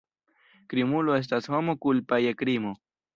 Krimulo estas homo kulpa je krimo.